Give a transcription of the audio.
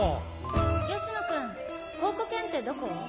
吉野君考古研ってどこ？